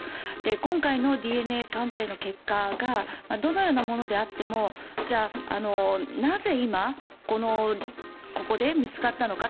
今回のＤＮＡ鑑定の結果がどのようなものであってもじゃあ、なぜ今ここで見つかったのか。